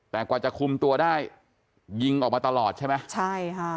แต่กว่าจะคุมตัวได้ยิงออกมาตลอดใช่ไหมใช่ค่ะ